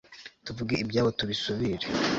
tuvuge ibyabo tubisubire